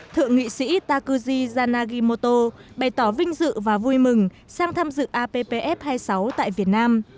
thượng nghị sĩ takuji zhanagimoto bày tỏ vinh dự và vui mừng sang tham dự appf hai mươi sáu tại việt nam